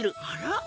あら。